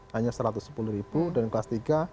hanya satu ratus sepuluh ribu dan kelas tiga